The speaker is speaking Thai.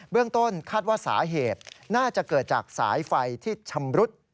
เรื่องต้นคาดว่าสาเหตุน่าจะเกิดจากสายไฟที่ชำรุด